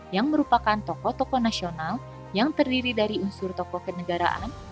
yang merupakan tokoh tokoh nasional yang terdiri dari unsur tokoh kenegaraan